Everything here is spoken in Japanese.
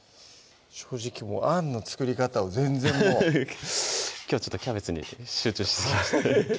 正直あんの作り方を全然もうきょうはキャベツに集中しすぎましたね